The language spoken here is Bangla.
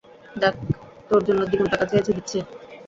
দেখ, তোর জন্য দ্বিগুণ টাকা চেয়েছি, দিচ্ছে।